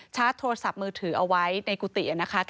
โทรศัพท์มือถือเอาไว้ในกุฏินะคะ